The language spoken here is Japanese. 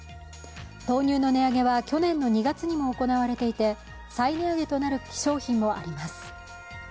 豆乳の値上げは去年の２月にも行われていて再値上げとなる商品もあります。